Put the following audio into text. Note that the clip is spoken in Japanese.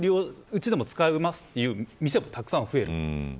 うちでも使いますという店もたくさん増える。